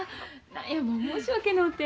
何やもう申し訳のうて。